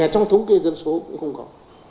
trong thống kê dân số cũng không có